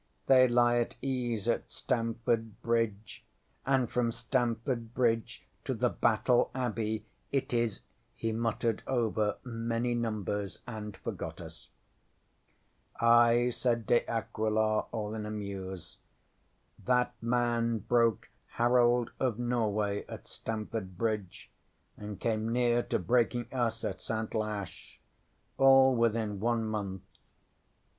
They lie at ease at Stamford Bridge, and from Stamford Bridge to the Battle Abbey it is ŌĆØ he muttered over many numbers and forgot us. ŌĆśŌĆ£Ay, ŌĆØ said De Aquila, all in a muse. ŌĆ£That man broke Harold of Norway at Stamford Bridge, and came near to breaking us at Santlache all within one month.